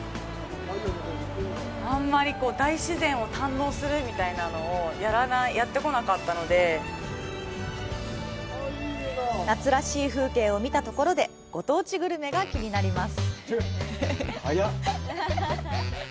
あんまり大自然を堪能するみたいなのをやってこなかったので夏らしい風景を見たところでご当地グルメが気になります。